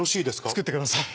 作ってください。